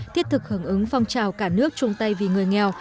thiết thực hưởng ứng phong trào cả nước chung tay vì người nghèo